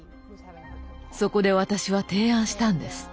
そこで私は提案したんです。